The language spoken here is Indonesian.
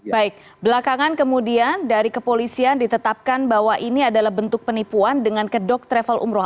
baik belakangan kemudian dari kepolisian ditetapkan bahwa ini adalah bentuk penipuan dengan kedok travel umroh